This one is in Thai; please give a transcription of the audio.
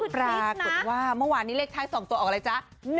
ปรากฏว่าเมื่อวานนี้เลขท้าย๒ตัวออกอะไรจ๊ะ